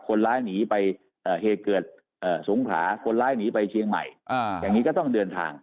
คนร้ายหนีไปเหตุเกิดสงขลาคนร้ายหนีไปเชียงใหม่อย่างนี้ก็ต้องเดินทาง